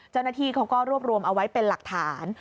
เจ้าหน้าที่เขาก็รวบรวมเอาไว้เป็นหลักฐาน